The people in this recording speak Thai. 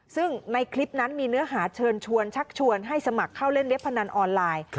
ซึ่งในคลิปนั้นมีเนื้อหาเชิญชวนชักชวนให้สมัครเข้าเล่นเว็บพนันออนไลน์